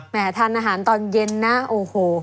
ทานอาหารตอนเย็นนะโอ้โห